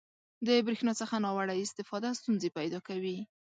• د برېښنا څخه ناوړه استفاده ستونزې پیدا کوي.